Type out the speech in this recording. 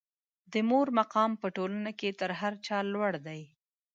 د مور مقام په ټولنه کې تر هر چا لوړ دی.